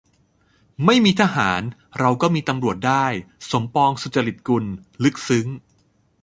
"ไม่มีทหาร เราก็มีตำรวจได้" - สมปอง สุจริตกุล ลึกซึ้ง